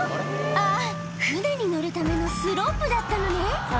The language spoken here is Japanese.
あぁ船に乗るためのスロープだったのね